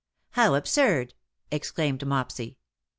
'^ How absurd,^^ exclaimed Mopsy.